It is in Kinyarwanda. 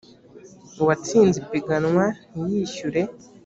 uwatsinze ipiganwa ntiyishyure